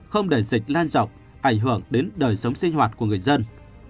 không để dịch lan rộng ảnh hưởng đến đời sống sinh hoạt của người dân